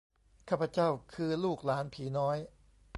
ข้าพเจ้าคือ ลูกหลานผีน้อย